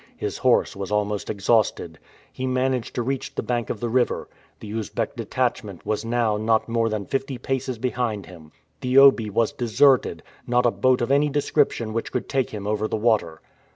His horse was almost exhausted. He managed to reach the bank of the river. The Usbeck detachment was now not more than fifty paces behind him. The Obi was deserted not a boat of any description which could take him over the water!